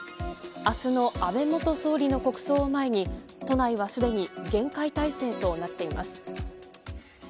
明日の安倍元総理の国葬を前に都内はすでに厳戒態勢となっています。